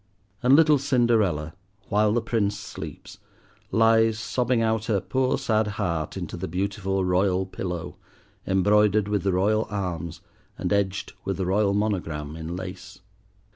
And little Cinderella, while the Prince sleeps, lies sobbing out her poor sad heart into the beautiful royal pillow, embroidered with the royal arms and edged with the royal monogram in lace.